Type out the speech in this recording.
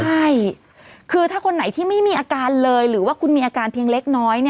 ใช่คือถ้าคนไหนที่ไม่มีอาการเลยหรือว่าคุณมีอาการเพียงเล็กน้อย